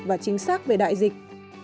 và chính xác về đại dịch